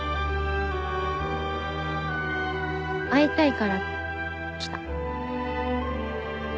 会いたいから来た。